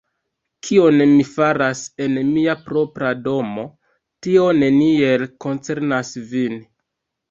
Kion mi faras en mia propra domo, tio neniel koncernas vin.